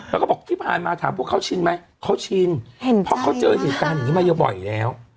แล้วก็บอกที่ผ่านมาถามพวกเขาชินไหมเขาชินเพราะเขาเจอเหตุการณ์อย่างนี้มาเยอะบ่อยแล้ว